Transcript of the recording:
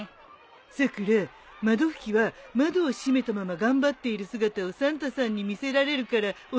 さくら窓拭きは窓を閉めたまま頑張っている姿をサンタさんに見せられるからおすすめだよ。